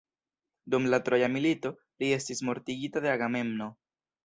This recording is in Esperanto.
Dum la troja milito, li estis mortigita de Agamemno.